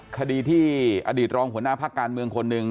คดีที่อดีตรองหัวหน้าพักการเมืองคนหนึ่ง